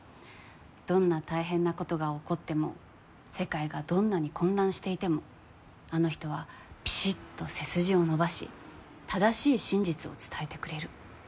どんな大変なことが起こっても世界がどんなに混乱していてもあの人はぴしっと背筋を伸ばし正しい真実を伝えてくれる。